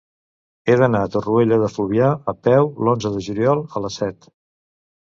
He d'anar a Torroella de Fluvià a peu l'onze de juliol a les set.